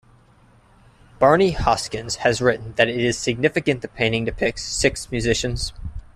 Barney Hoskyns has written that it is significant the painting depicts six musicians.